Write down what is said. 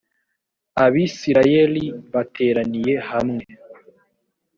abisirayeli bateraniye hamwe